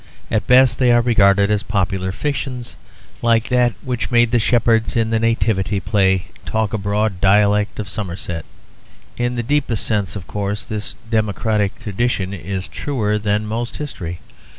At best they are regarded as popular fictions, like that which made the shepherds in the Nativity Play talk a broad dialect of Somerset. In the deepest sense of course this democratic tradition is truer than most history.